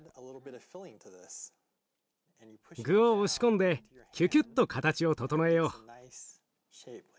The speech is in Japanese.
具を押し込んでキュキュッと形を整えよう。